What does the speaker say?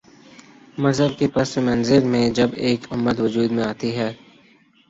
مذہب کے پس منظر میں جب ایک امت وجود میں آتی ہے۔